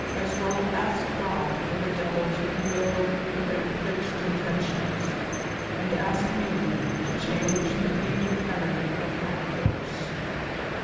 As well ask God or the devil to yield their fixed intentions, as ask me to change tlie even tenor of my course.